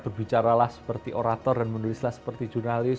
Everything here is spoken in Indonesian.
berbicaralah seperti orator dan menulislah seperti jurnalis